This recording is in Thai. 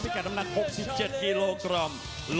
ที่กระดำหนัก๖๗กิโลกรัม